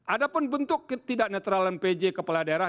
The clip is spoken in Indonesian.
ada pun bentuk ketidak netralan pj kepala daerah